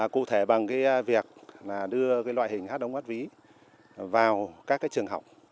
cụ thể bằng việc đưa loại hình hát ống hát ví vào các trường học